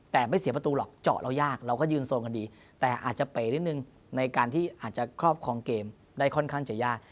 แต่ไม่เสียประตูหรอกเจาะเรายากเราก็ยืนโซนกันดีแต่อาจจะเป๋นิดนึงในการที่อาจจะครอบครองเกมได้ค่อนข้างจะยาก